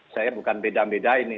saya bukan beda beda ini